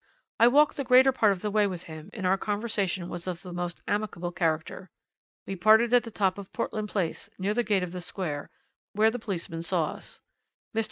I walked the greater part of the way with him, and our conversation was of the most amicable character. We parted at the top of Portland Place, near the gate of the Square, where the policeman saw us. Mr.